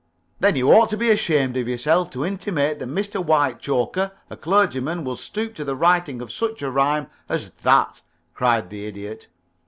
"Then you ought to be ashamed of yourself to intimate that Mr. Whitechoker, a clergyman, would stoop to the writing of such a rhyme as that," cried the Idiot.